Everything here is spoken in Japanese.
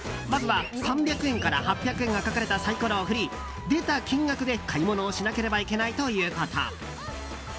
まずは３００円から８００円が書かれたサイコロを振り出た金額で買い物をしなければいけないということ。